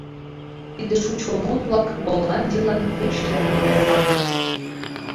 Тиде шучко мут-влак Голландийлан пеш шергын логалыт!